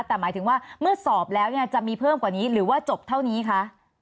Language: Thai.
แต่หมายถึงว่าเมื่อสอบแล้วจะมีเพิ่มกว่านี้หรือว่าจบเท่านี้คะ